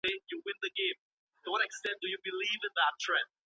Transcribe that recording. زېرزمینی په هر کور کي نه وي.